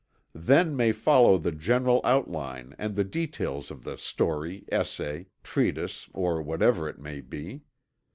Then may follow the general outline, and the details of the story, essay, treatise or whatever it may be.